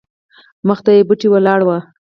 مخته یې بوټې ولاړ وو.